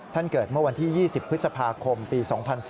เกิดเมื่อวันที่๒๐พฤษภาคมปี๒๔